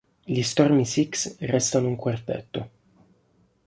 Gli Stormy Six restano un quartetto.